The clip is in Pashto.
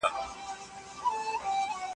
په خپلو توليداتو کي د نوي تخنيک څخه کار واخلئ.